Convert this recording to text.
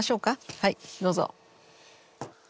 はいどうぞ。